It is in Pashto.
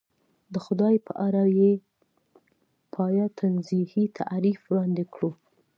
د خدای په اړه بې پایه تنزیهي تعریف وړاندې کړو.